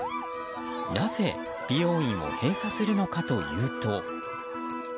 なぜ美容院を閉鎖するのかというと。